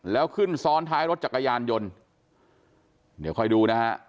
แล้วขึ้นซ้อนท้ายรถจักรยานยนต์เดี๋ยวคอยดูนะฮะ